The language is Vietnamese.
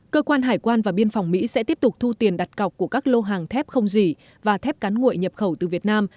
cơ quan hải quan và biên phòng mỹ sẽ tiếp tục thu tiền đặt cọc của các lô hàng thép không dỉ và thép cán nguội nhập khẩu từ việt nam